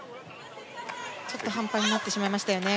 ちょっと半端になってしまいましたよね。